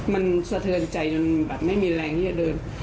มันสะเทือนใจจนแบบไม่มีแรงที่จะเดิน